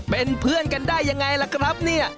เป็นเพื่อนกันได้ยังไงล่ะครับเนี่ย